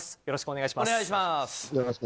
よろしくお願いします。